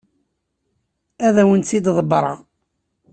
Ad awent-tt-id-ḍebbreɣ.